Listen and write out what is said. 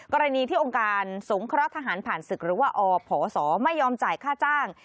กรณีที่องค์การสงเคราะห์ทหารผ่านศึกหรือว่าอพศไม่ยอมจ่ายค่าจ้าง